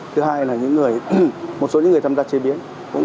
thứ hai là những người một số những người tham gia chế biến